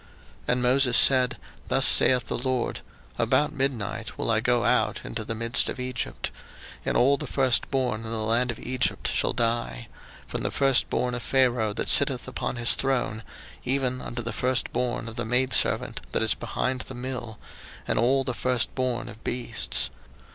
02:011:004 And Moses said, Thus saith the LORD, About midnight will I go out into the midst of Egypt: 02:011:005 And all the firstborn in the land of Egypt shall die, from the first born of Pharaoh that sitteth upon his throne, even unto the firstborn of the maidservant that is behind the mill; and all the firstborn of beasts.